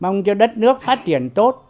mong cho đất nước phát triển